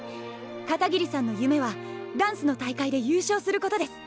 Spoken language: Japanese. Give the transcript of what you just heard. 片桐さんの夢はダンスの大会で優勝することです。